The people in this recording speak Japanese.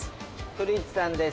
古市さんです。